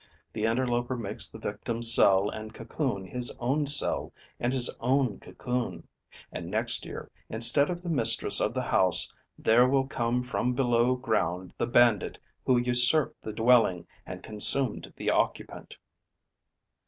The interloper makes the victim's cell and cocoon his own cell and his own cocoon; and next year, instead of the mistress of the house, there will come from below ground the bandit who usurped the dwelling and consumed the occupant.